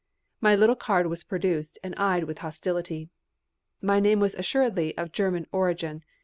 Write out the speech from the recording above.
My little card was produced and eyed with hostility. My name was assuredly of German origin.